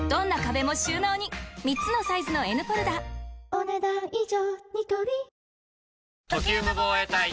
お、ねだん以上。